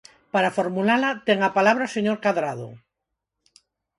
Para formulala, ten a palabra o señor Cadrado.